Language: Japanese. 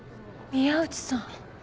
宮内さん。